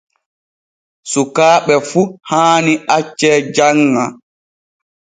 Sukaaɓe fu haani acce janŋa.